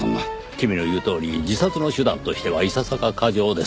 君の言うとおり自殺の手段としてはいささか過剰です。